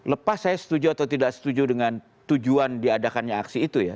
lepas saya setuju atau tidak setuju dengan tujuan diadakannya aksi itu ya